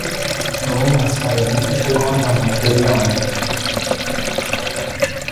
رو مسخرگی پیشه کن و مطربی آموز